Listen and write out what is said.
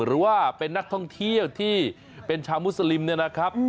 หรือว่าเป็นนักท่องเที่ยวที่เป็นชาวมุสลิมเนี่ยนะครับ